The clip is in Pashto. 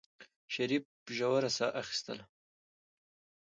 شريف ژوره سا اخېستله.